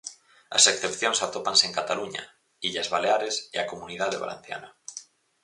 As excepcións atópanse en Cataluña, Illas Baleares e a Comunidade Valenciana.